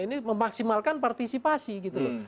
ini memaksimalkan partisipasi gitu loh